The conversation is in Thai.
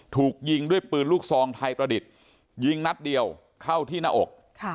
ถูกยิงด้วยปืนลูกซองไทยประดิษฐ์ยิงนัดเดียวเข้าที่หน้าอก